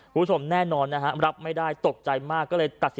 คุณผู้ชมแน่นอนรับไม่ได้ตกใจมาก